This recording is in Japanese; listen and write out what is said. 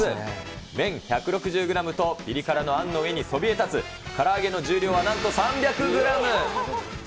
麺１６０グラムとぴり辛のあんの上にそびえ立つ、から揚げの重量はなんと３００グラム。